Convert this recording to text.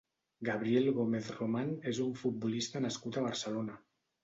Gabriel Gómez Román és un futbolista nascut a Barcelona.